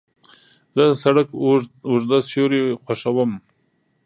زه د سړک اوږده سیوري خوښوم.